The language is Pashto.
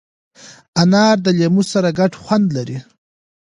انار د لیمو سره ګډ خوند لري.